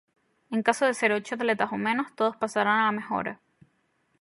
En caso de ser ocho atletas o menos, todos pasarán a la mejora.